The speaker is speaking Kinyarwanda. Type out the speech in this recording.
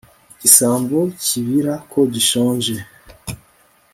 igisambo kibira ko gishonje